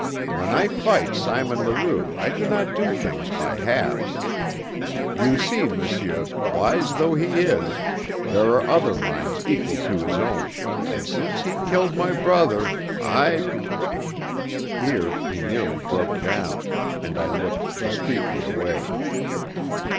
When I fight Simon Leroux I do not do things by halves. You see, monsieur, wise though he is, there are other minds equal to his own, and since he killed my brother, I " Here he nearly broke down, and I looked discreetly away.